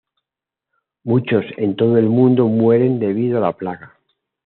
Muchos en todo el mundo mueren debido a la plaga.